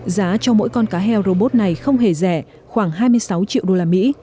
giá cho mỗi con cá heo robot này không hề rẻ khoảng hai mươi sáu triệu đô la mỹ